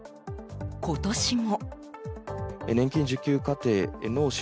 今年も。